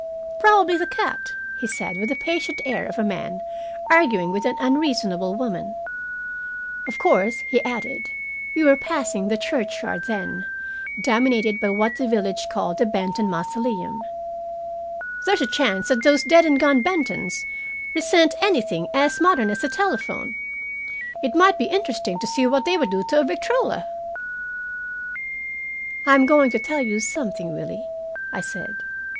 "Probably the cat," he said, with the patient air of a man arguing with an unreasonable woman. "Of course," he added we were passing the churchyard then, dominated by what the village called the Benton "mosolem" "there's a chance that those dead and gone Bentons resent anything as modern as a telephone. It might be interesting to see what they would do to a victrola." "I'm going to tell you something, Willie," I said.